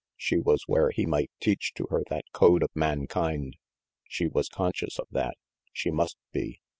She was where he might teach to her that code of mankind. She was conscious of that; she must be.